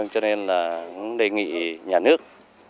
cho nên đề nghị nhà nước